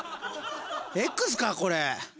Ｘかこれ？